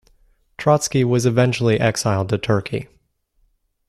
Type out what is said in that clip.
Trotsky was eventually exiled to Turkey.